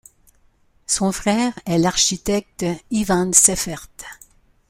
Son frère est l'architecte Ivan Seifert.